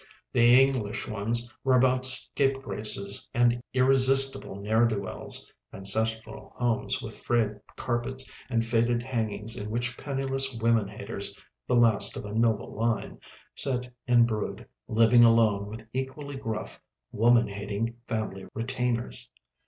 The English ones were about scapegraces and irresistible ne'er do wells, ancestral homes with frayed carpets and faded hangings in which penniless woman haters (the last of a noble line) sit and brood, living alone with equally gruff, woman hating family retainers.